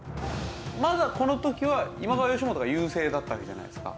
まだこの時は今川義元が優勢だったんじゃないですか？